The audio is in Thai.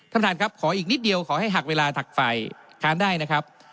ท่านท่านครับขออีกนิดเดียวขอให้หักเวลาถักฝ่ายค้านได้นะครับ